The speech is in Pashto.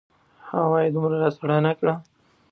هوا دومره راسړه نه کړه.